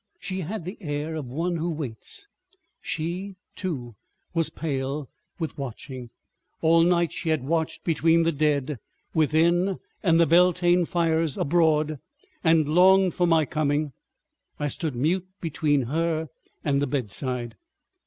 She had the air of one who waits. She, too, was pale with watching; all night she had watched between the dead within and the Beltane fires abroad, and longed for my coming. I stood mute between her and the bedside.